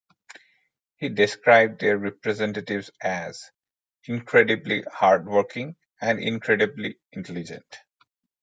He described their representatives as "incredibly hard-working and incredibly intelligent".